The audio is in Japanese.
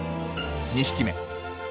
２匹目。